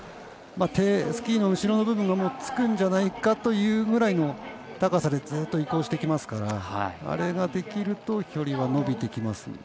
スキーの後ろの部分がつくんじゃないかというぐらいの高さでずっと移行してきますからあれができると距離は伸びてきます。